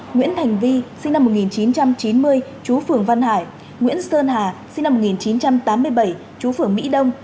nguyễn thành vi sinh năm một nghìn chín trăm chín mươi chú phường văn hải nguyễn sơn hà sinh năm một nghìn chín trăm tám mươi bảy chú phường mỹ đông